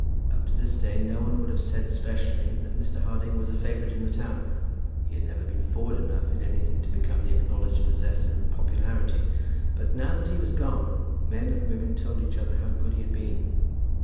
Up to this day no one would have said specially that Mr. Harding was a favourite in the town. He had never been forward enough in anything to become the acknowledged possessor of popularity. But, now that he was gone, men and women told each other how good he had been.